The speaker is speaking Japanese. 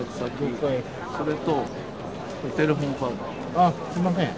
ああすんません。